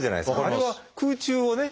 あれは空中をね